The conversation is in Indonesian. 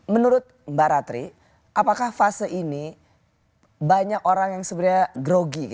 menurut mbak ratri apakah fase ini banyak orang yang sebenarnya grogi